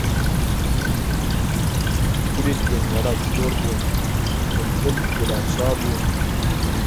Kulîlkên welat sor bûn, bilbil bi gula şabûn